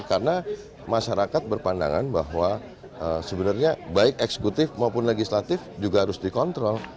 karena masyarakat berpandangan bahwa sebenarnya baik eksekutif maupun legislatif juga harus dikontrol